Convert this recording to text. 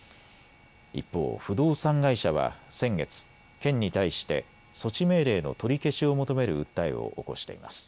一方、不動産会社は先月、県に対して措置命令の取り消しを求める訴えを起こしています。